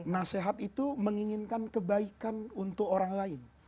nasihat itu menginginkan kebaikan untuk orang lain